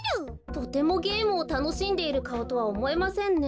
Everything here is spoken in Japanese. とてもゲームをたのしんでいるかおとはおもえませんね。